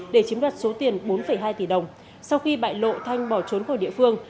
để chiếm đoạt số tiền bốn hai tỷ đồng sau khi bại lộ thanh bỏ trốn khỏi địa phương